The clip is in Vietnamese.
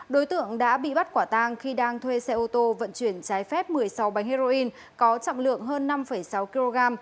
đối tượng đã bị bắt quả tang khi đang thuê xe ô tô vận chuyển trái phép một mươi sáu bánh heroin có trọng lượng hơn năm sáu kg